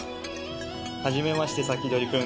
初めましてサキドリくん。